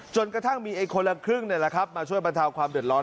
จนกระทั่งมีคนละครึ่งมาช่วยบรรเทาความเดือดร้อน